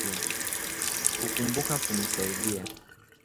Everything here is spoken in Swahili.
Kukumbuka kulimsaidia